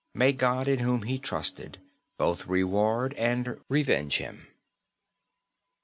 May God in Whom he Trusted both Reward and Revenge him."